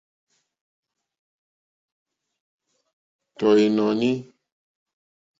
Tɔ̀ ìnɔ̀ní.